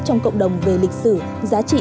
trong cộng đồng về lịch sử giá trị